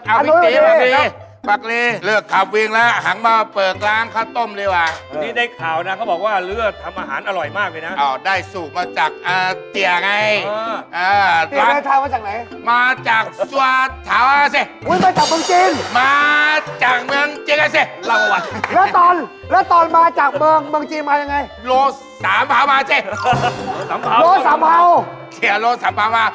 อ้าวอีกทีอ้าวบองอ่ะอ้าวบองอ่ะคอมอ่ะคอมอ่ะคอมอ่ะคอมอ่ะคอมอ่ะคอมอ่ะคอมอ่ะคอมอ่ะคอมอ่ะคอมอ่ะคอมอ่ะคอมอ่ะคอมอ่ะคอมอ่ะคอมอ่ะคอมอ่ะคอมอ่ะคอมอ่ะคอมอ่ะคอมอ่ะคอมอ่ะคอมอ่ะคอมอ่ะคอมอ่ะคอมอ่ะคอมอ่ะคอมอ่ะค